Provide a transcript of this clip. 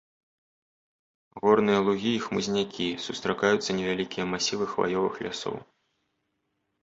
Горныя лугі і хмызнякі, сустракаюцца невялікія масівы хваёвых лясоў.